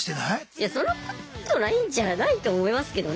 いやそんなことないんじゃないと思いますけどね。